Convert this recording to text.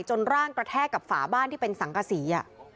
ร่างกระแทกกับฝาบ้านที่เป็นสังกษี